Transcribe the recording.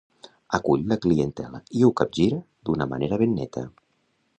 Acull la clientela i ho capgira d'una manera ben neta.